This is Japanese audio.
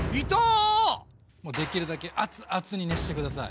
もうできるだけ熱々に熱して下さい。